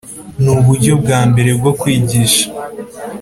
Ni uburyo bwa mbere bwo kwigisha